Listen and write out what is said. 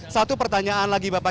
satu pertanyaan lagi bapak